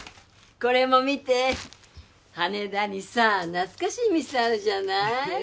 これも見て羽田にさ懐かしい店あるじゃないえっ